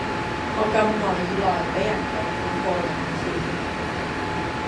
我咁耐以來被人強檢過兩次